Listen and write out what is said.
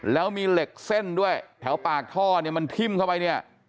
แล้วมีเหล็กเส้นด้วยแถวปากท่อเนี่ยมันทิ้มเข้าไปเนี่ย